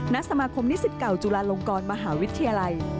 ณสมาคมนิสิตเก่าจุฬาลงกรมหาวิทยาลัย